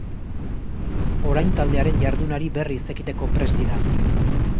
Orain taldearen jardunari berriz ekiteko prest dira.